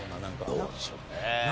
どうでしょうね？